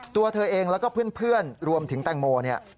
ตัวเธอเองแล้วก็เพื่อนรวมถึงแตงโมเนี่ย